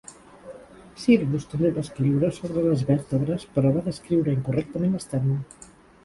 Sylvus també va escriure sobre les vèrtebres, però va descriure incorrectament l'estèrnum.